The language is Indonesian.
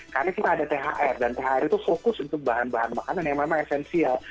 karena kita ada thr dan thr itu fokus untuk bahan bahan makanan yang memang esensial